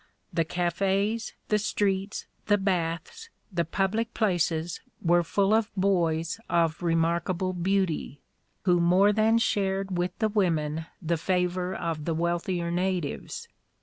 The cafés, the streets, the baths, the public places were full of boys of remarkable beauty, who more than shared with the women the favor of the wealthier natives.